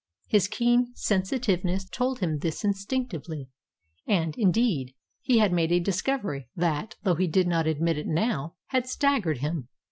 His keen sensitiveness told him this instinctively, and, indeed, he had made a discovery that, though he did not admit it now, had staggered him.